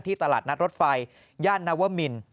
ตลาดนัดรถไฟย่านนวมิน